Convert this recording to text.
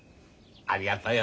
ありがとよ